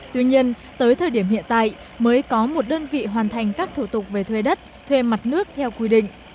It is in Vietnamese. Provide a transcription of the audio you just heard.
tuy nhiên tới thời điểm hiện tại mới có một đơn vị hoàn thành các thủ tục về thuê đất thuê mặt nước theo quy định